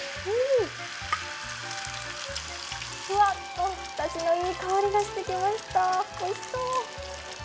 ふわっとだしのいい香りがしてきました、おいしそ。